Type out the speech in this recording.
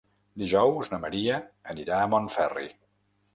Dijous na Maria anirà a Montferri.